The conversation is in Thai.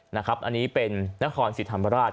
นะครับอันนี้เป็นนครสิทธิ์ธรรมราช